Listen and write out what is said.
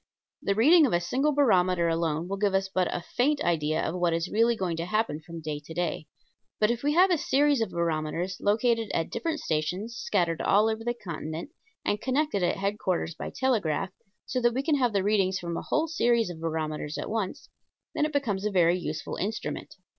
The reading of a single barometer alone will give us but a faint idea of what is really going to happen from day to day. But if we have a series of barometers located at different stations scattered all over the continent and connected at headquarters by telegraph, so that we can have the readings from a whole series of barometers at once, then it becomes a very useful instrument.